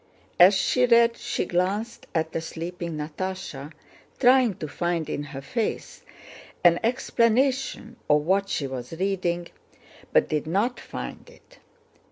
As she read she glanced at the sleeping Natásha, trying to find in her face an explanation of what she was reading, but did not find it.